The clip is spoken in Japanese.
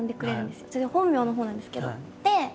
それ本名のほうなんですけど。